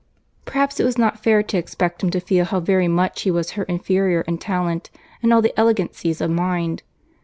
Perhaps it was not fair to expect him to feel how very much he was her inferior in talent, and all the elegancies of mind.